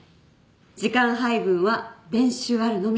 時間配分は練習あるのみ。